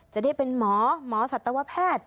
จะได้เป็นหมอหมอสัตวแพทย์